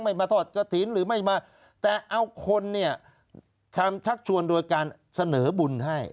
ไม่มาทอดกระถีนแต่เอาคนทำทักชวนโดยการเสนอบุญให้